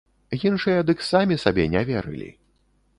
Іншыя дык самі сабе не верылі.